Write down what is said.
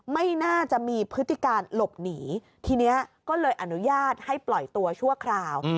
ไม่น่าจะมีพฤติการหลบหนีทีนี้ก็เลยอนุญาตให้ปล่อยตัวชั่วคราว